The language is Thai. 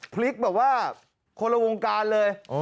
พลิกแบบว่าคนละวงการเลย